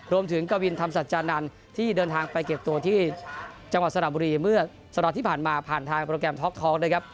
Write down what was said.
รวมถึงกวินธรรมสัจจานันท์ที่เดินทางไปเก็บตัวที่จังหวัดสนับบุรีเมื่อสนับที่ผ่านมาผ่านทางโท๊คเลยครับ